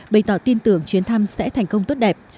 bày tỏ tin tưởng chuyến thăm sẽ thành công tốt đẹp